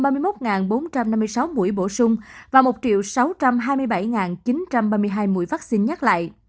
ba mươi một bốn trăm năm mươi sáu mũi bổ sung và một sáu trăm hai mươi bảy chín trăm ba mươi hai mũi vaccine nhắc lại